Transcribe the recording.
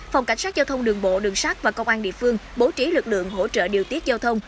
phòng cảnh sát giao thông đường bộ đường sát và công an địa phương bố trí lực lượng hỗ trợ điều tiết giao thông